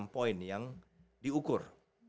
enam poin yang diukur